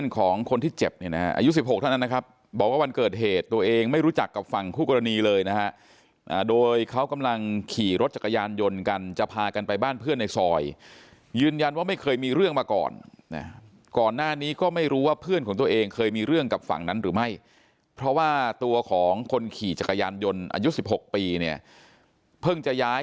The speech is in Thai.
ของคนที่เจ็บเนี่ยนะฮะอายุ๑๖เท่านั้นนะครับบอกว่าวันเกิดเหตุตัวเองไม่รู้จักกับฝั่งคู่กรณีเลยนะฮะโดยเขากำลังขี่รถจักรยานยนต์กันจะพากันไปบ้านเพื่อนในซอยยืนยันว่าไม่เคยมีเรื่องมาก่อนนะก่อนหน้านี้ก็ไม่รู้ว่าเพื่อนของตัวเองเคยมีเรื่องกับฝั่งนั้นหรือไม่เพราะว่าตัวของคนขี่จักรยานยนต์อายุ๑๖ปีเนี่ยเพิ่งจะย้าย